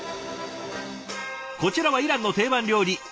こちらはイランの定番料理